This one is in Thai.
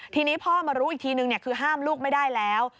ทีนี้พ่อมารู้อีกทีนึงคือห้ามลูกไม่ได้แล้ว